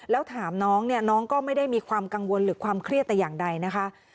แล้วถามน้องเนี่ยน้องก็ไม่ได้มีความกังวลหรือความเครียดแต่อย่างใดนะคะ